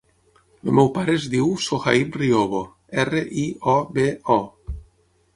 El meu pare es diu Sohaib Riobo: erra, i, o, be, o.